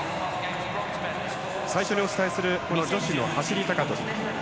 最初にお伝えする女子の走り高跳び。